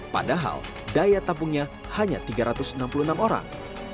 padahal daya tabungnya hanya tiga ratus enam puluh enam orang